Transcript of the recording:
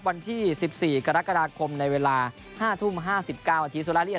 วันที่๑๔กรกฎาคมในเวลา๕ทุ่ม๕๙นาทีสุราเลีย